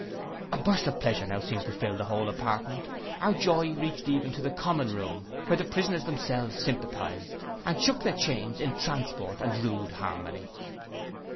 A burst of pleasure now seemed to fill the whole apartment; our joy reached even to the common room, where the prisoners themselves sympathized, —And shook their chains In transport and rude harmony.